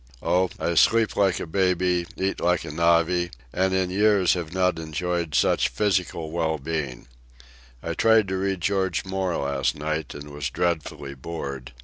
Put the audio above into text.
Oh, I sleep like a baby, eat like a navvy, and in years have not enjoyed such physical well being. I tried to read George Moore last night, and was dreadfully bored.